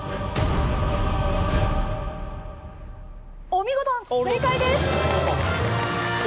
お見事正解です！